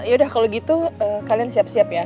yaudah kalau gitu kalian siap siap ya